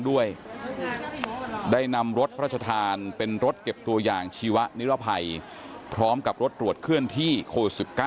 ด้วยได้นำรถพระชธานเป็นรถเก็บตัวอย่างชีวะนิรภัยพร้อมกับรถตรวจเคลื่อนที่โควิด๑๙